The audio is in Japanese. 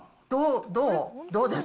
どう？